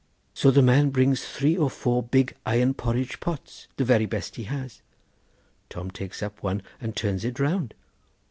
So the man brings out three or four big iron porridge pots, the very best he has. Tom takes up one and turns it round.